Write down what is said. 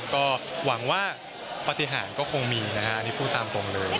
ก็หวังว่าปฏิหารก็คงมีนะฮะนี่พูดตามตรงเลย